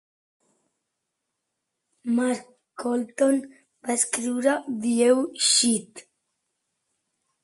Mark Colton va escriure ViewSheet.